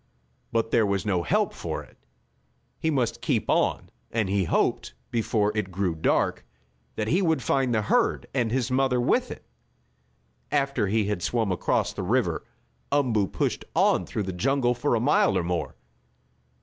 But there was no help for it. He must keep on, and he hoped, before it grew dark, that he would find the herd, and his mother with it. After he had swum across the river Umboo pushed on through the jungle for a mile or more.